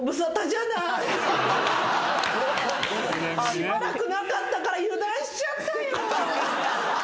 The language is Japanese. しばらくなかったから油断しちゃったよ。